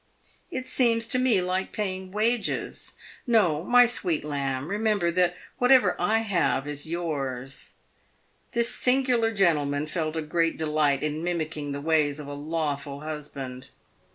It seems to me like paying wages. No, my sweet lamb, remember that whatever I have is yours." This singular gentleman felt a great delight in mimicking the ways of a lawful hus band.